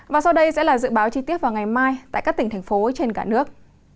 và sau đây sẽ là dự báo chi tiết vào ngày mai tại các tỉnh thành phố trên cả nước